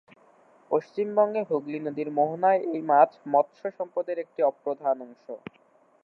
পশ্চিমবঙ্গে হুগলী নদীর মোহনায় এই মাছ মৎস্য সম্পদের একটা অপ্রধান অংশ।